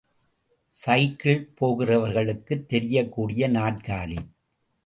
சைக்கிளில் போகிறவர்களுக்குத் தெரியக்கூடிய நாற்காலி.